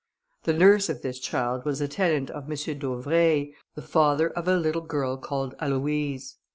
The nurse of this child was a tenant of M. d'Auvray, the father of a little girl called Aloïse.